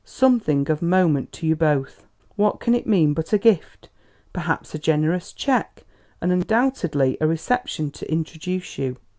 'Something of moment to you both,' what can it mean but a gift perhaps a generous cheque, and undoubtedly a reception to introduce you.